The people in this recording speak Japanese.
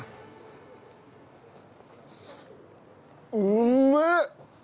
うんめえ！